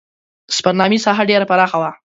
د سفرنامې ساحه ډېره پراخه وه.